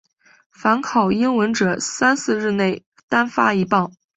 凡考英文者三四日内单发一榜。